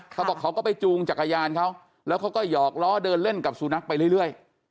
เขาบอกเขาก็ไปจูงจักรยานเขาแล้วเขาก็หยอกล้อเดินเล่นกับสุนัขไปเรื่อย